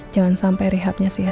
jangan sampai rehabnya sia sia